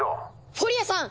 フォリアさん！